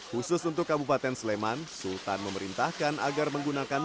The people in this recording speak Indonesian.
khusus untuk kabupaten sleman sultan memerintahkan agar menggunakan